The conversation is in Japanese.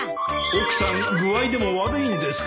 奥さん具合でも悪いんですか？